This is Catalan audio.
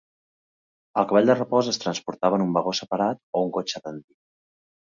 El cavall de repòs es transportava en un vagó separat o un "cotxe dandy".